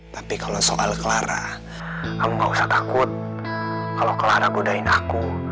tapi kalau soal clara kamu gak usah takut kalau clara mudain aku